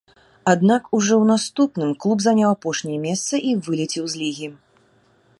Аднак ужо ў наступным клуб заняў апошняе месца і вылецеў з лігі.